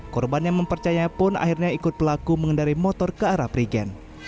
korban yang mempercayainya pun akhirnya ikut pelaku mengendarai motor ke arah perigen